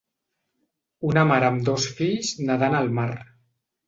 Una mare amb dos fills nedant al mar.